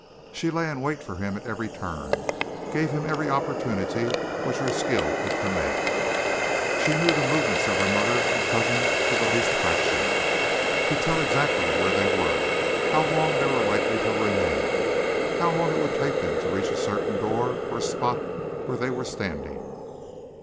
She lay in wait for him at every turn, gave him every opportunity which her skill could command. She knew the movements of her mother and cousin to the least fraction could tell exactly where they were, how long they were likely to remain, how long it would take them to reach a certain door or spot from where they were standing.